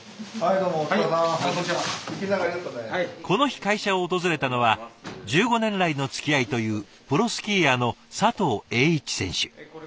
この日会社を訪れたのは１５年来のつきあいというプロスキーヤーの佐藤栄一選手。